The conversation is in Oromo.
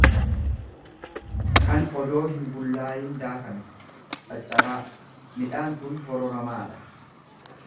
kan odoo hinbullaayiin daakame, caccabaa; Midhaan kun hororamaa miti.